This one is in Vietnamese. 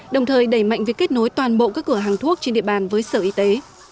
đồng thời đẩy mạnh việc kết nối toàn bộ các cửa hàng thuốc trên địa bàn với sở y tế